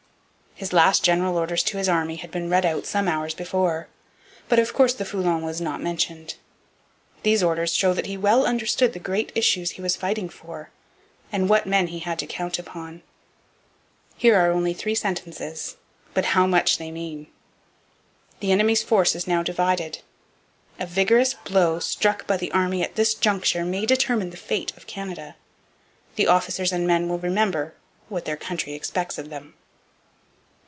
His last general orders to his army had been read out some hours before; but, of course, the Foulon was not mentioned. These orders show that he well understood the great issues he was fighting for, and what men he had to count upon. Here are only three sentences; but how much they mean! 'The enemy's force is now divided. A vigorous blow struck by the army at this juncture may determine the fate of Canada. The officers and men will remember what their country expects of them.'